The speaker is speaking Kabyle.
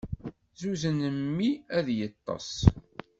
Zuzen mmi ad yeṭṭes.